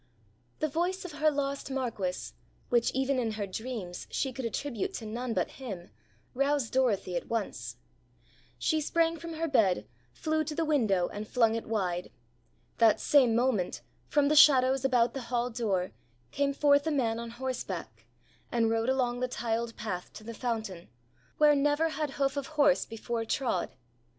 The voice of her lost Marquis, which even in her dreams she could attribute to none but him, roused Dorothy at once. She sprang from her bed, flew to the window, and flung it wide. That same moment, from the shadows about the hall door, came forth a man on horseback, and rode along the tiled path to the fountain, where never had hoof of horse before trod.